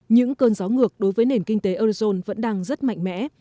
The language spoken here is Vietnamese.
những cơn gió ngược đối với nền kinh tế eurozon vẫn đang rất mạnh mẽ